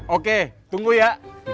oke tunggu ya